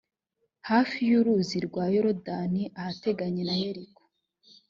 hafi y’uruzi rwa yorudani, ahateganye na yeriko.